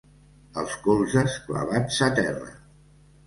Els colzes clavats a terra.